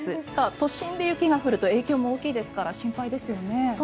都心で雪が降ると影響も大きいですからそうですよね。